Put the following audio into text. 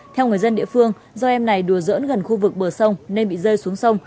theo người dân địa phương do em này đùa dỡn gần khu vực bờ sông nên bị rơi xuống sông